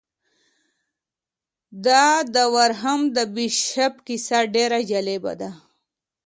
د دورهام د بیشپ کیسه ډېره جالبه ده.